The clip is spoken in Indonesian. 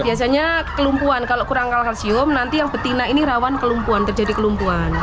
biasanya kelumpuan kalau kurang kalsium nanti yang betina ini rawan kelumpuhan terjadi kelumpuan